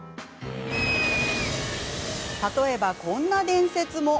例えば、こんな伝説も。